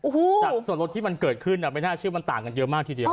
โอ้โหจากส่วนลดที่มันเกิดขึ้นไม่น่าเชื่อมันต่างกันเยอะมากทีเดียว